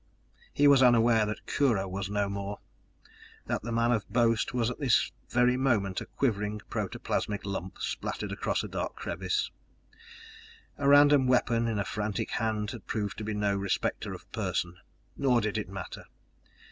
He was unaware that Kurho was no more that the man of boast was at this very moment a quivering, protoplasmic lump splattered across a dark crevice. A random weapon in a frantic hand had proved to be no respecter of person. Nor did it matter!